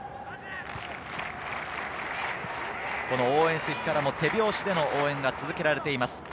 応援席からも手拍子での応援が続けられています。